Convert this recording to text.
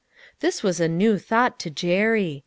This was a new thought to Jerry.